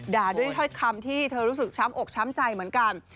ด่าด้วยถ้อยคำที่เธอรู้สึกช้ำอกช้ำใจเหมือนกัน